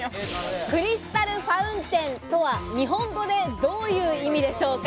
クリスタルファウンテンとは日本語でどういう意味でしょうか？